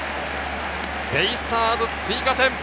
ベイスターズ追加点。